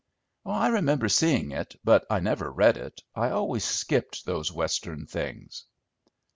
"I remember seeing it, but I never read it. I always skipped those Western things."